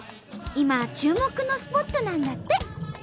今注目のスポットなんだって！